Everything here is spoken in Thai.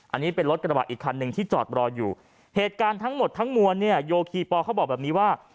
อันนี้เป็นรถกระบะอีกคันหนึ่งที่จอดรออยู่เหตุการณ์ทั้งหมดทั้งมวลเนี่ยโยคีปอลเขาบอกแบบนี้ว่า